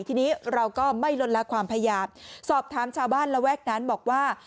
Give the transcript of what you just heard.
ทีนี้เราก็ไม่ลดละความพยายามสอบถามชาวบ้านระแวกนั้นบอกว่า